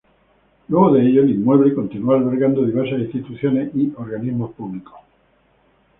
Luego de ello, el inmueble continuó albergando diversas instituciones y organismos públicos.